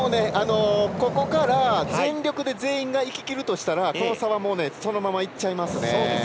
ここから全力で全員が行ききるとしたらこの差はそのままいっちゃいますね。